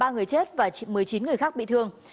ba người chết và một mươi chín người khác bị thương